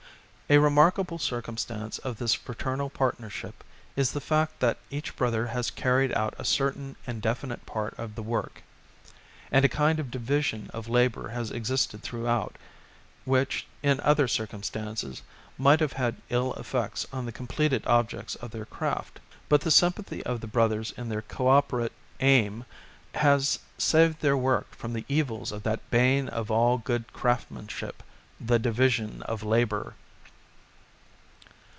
A remarkable 171 ALL MANNER OF FOLK circumstance of this fraternal partnership is the fact that each brother has carried out a certain and definite part of the work, and a kind of division of labour has existed throughout, which, in other cir cumstances, might have had ill effects on the com pleted objects of their craft ; but the sympathy of the brothers in their co operate aim has saved their work from the evils of that bane of all good craftsmanship, the division of labour.